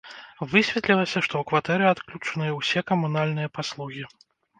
Высветлілася, што ў кватэры адключаныя ўсе камунальныя паслугі.